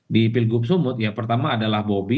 di pilgub sumut yang pertama adalah bobi